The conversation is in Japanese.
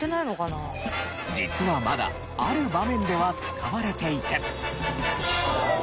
実はまだある場面では使われていて。